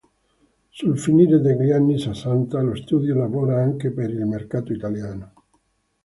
Sul finire degli anni sessanta lo Studio lavora anche per il mercato italiano.